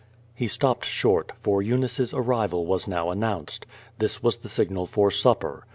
lie stopped short, for Eunice's arrival was now announced. This was the signal for supper.